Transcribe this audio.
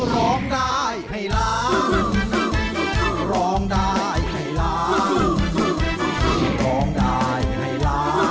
ร้องได้ให้ร้าน